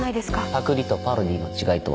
パクリとパロディーの違いとは？